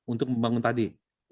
untuk membangun tadi